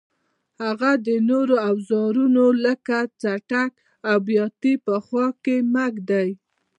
هغه د نورو اوزارونو لکه څټک او بیاتي په خوا کې مه ږدئ.